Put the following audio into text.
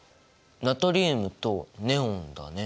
ナトリウムとネオンだね。